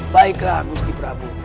baiklah gusti prabu